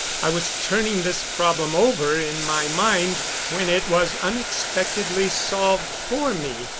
I was turning this problem over in my mind when it was unexpectedly solved for me.